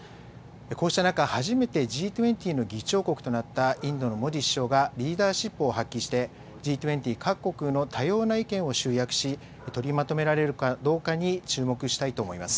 こうした中、初めてＧ２０の議長国となったインドのモディ首相がリーダーシップを発揮して、Ｇ２０各国の多様な意見を集約し、取りまとめられるかどうかに注目したいと思います。